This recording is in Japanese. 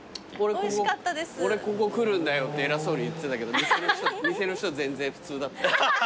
「俺ここ来るんだよ」って偉そうに言ってたけど店の人全然普通。